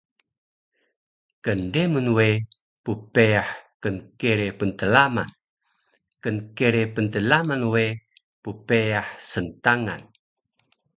Knremun we ppeyah knkere pntlaman. Knkere pntlaman we ppeyah sntangan